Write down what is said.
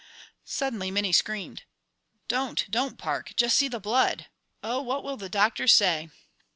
Suddenly Minnie screamed: "Don't, don't, Park; just see the blood! Oh, what will the doctor say?"